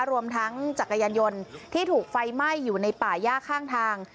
รวมทั้งจักรยานยนต์ที่ถูกไฟไหม้อยู่ในป่าย่าข้างทาง